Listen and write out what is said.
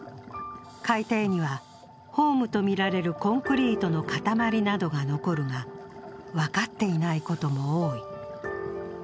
海底にはホームとみられるコンクリートの塊などが残るが、分かっていないことも多い。